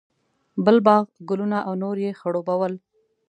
بل باغ، ګلونه او نور یې خړوبول.